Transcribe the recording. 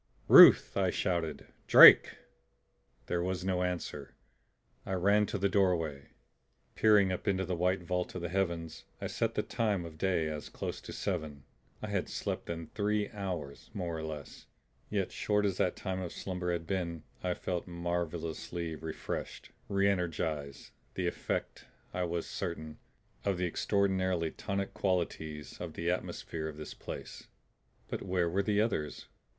"Ruth!" I shouted. "Drake!" There was no answer. I ran to the doorway. Peering up into the white vault of the heavens I set the time of day as close to seven; I had slept then three hours, more or less. Yet short as that time of slumber had been, I felt marvelously refreshed, reenergized; the effect, I was certain, of the extraordinarily tonic qualities of the atmosphere of this place. But where were the others?